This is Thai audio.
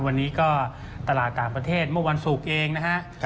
วันนี้ก็ตลาดต่างประเทศเมื่อวันศุกร์เองนะฮะ